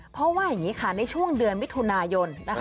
เพราะว่าอย่างนี้ค่ะในช่วงเดือนมิถุนายน